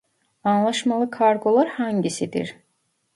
Anlaşmalı kargolar hangisidir